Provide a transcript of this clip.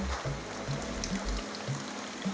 ndi granno lolos angkat s dicegah menahan